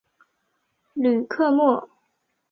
吕克莫。